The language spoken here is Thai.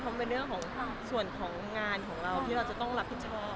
เพราะมันเป็นเรื่องของส่วนของงานของเราที่เราจะต้องรับผิดชอบ